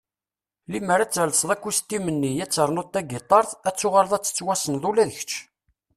Limmer ad telseḍ akustim-nni, ad ternuḍ tagitart, ad tuɣaleḍ ad tettwassneḍ ula d kecc!